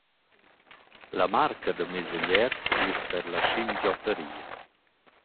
La marca da meis ögliers es per la schimgiottaria.